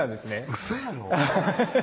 ウソやろ？